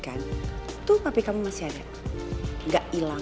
kayak kecapean mas amat bangun sih